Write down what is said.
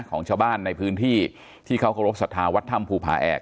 ของชาวบ้านในพื้นที่ที่เขาเคารพสัทธาวัดถ้ำภูผาแอก